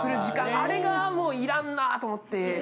あれがもう要らんなと思って。